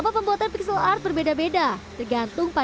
loh apa pembuatannya